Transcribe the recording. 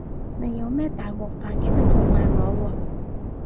你有咩大鑊飯記得叫埋我喎